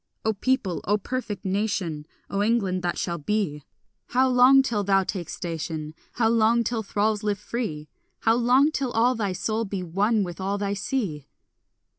O people, O perfect nation, O England that shall be, How long till thou take station? How long till thralls live free? How long till all thy soul be one with all thy sea?